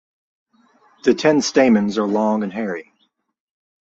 The ten stamens are long and hairy.